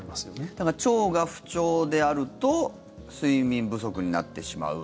だから、腸が不調であると睡眠不足になってしまう。